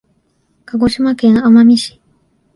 鹿児島県奄美市